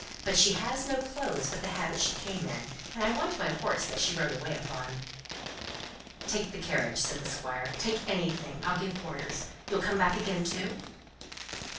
But she has no clothes but the habit she came in, and I want my horse that she rode away upon." "Take the carriage," said the Squire. "Take anything. I'll give orders. You'll come back again, too?"